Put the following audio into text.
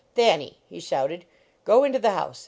"Thanny!" he shouted, "go into the house